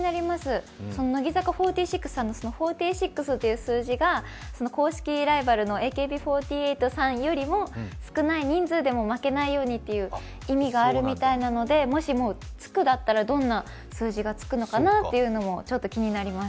乃木坂４６さんの４６という数字が公式ライバルのＡＫＢ４８さんよりも少ない人数でも負けないようにという意味があるみたいなのでもしどんな数字がつくのかなって気になります。